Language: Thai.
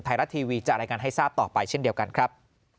ไทยรัฐทีวีจะรายงานให้ทราบต่อไปเช่นเดียวกันครับ